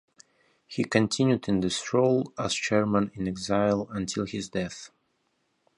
He continued in this role, as chairman in exile, until his death.